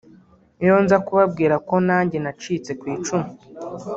Iyo nza kubabwira ko nanjye nacitse ku icumu